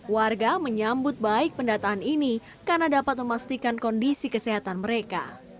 warga menyambut baik pendataan ini karena dapat memastikan kondisi kesehatan mereka